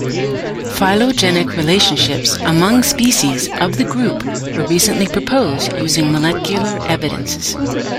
Phylogenetic relationships among species of the group were recently proposed using molecular evidences.